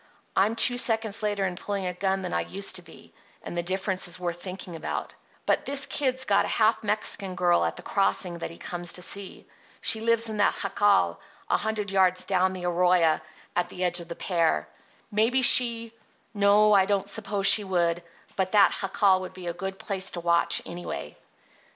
I'm two seconds later in pulling a gun than I used to be, and the difference is worth thinking about. But this Kid's got a half Mexican girl at the Crossing that he comes to see. She lives in that jacal a hundred yards down the arroyo at the edge of the pear. Maybe she—no, I don't suppose she would, but that jacal would be a good place to watch, anyway."